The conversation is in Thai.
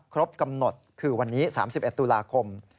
ครบกำหนดคือวันนี้๓๑ตุลาคม